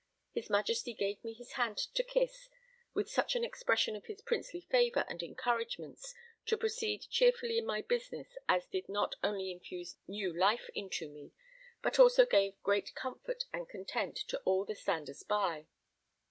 His Majesty gave me his hand to kiss with such an expression of his princely favour and encouragements to proceed cheerfully in my business as did not only infuse new life into me, but also gave great comfort and content to all the standers by.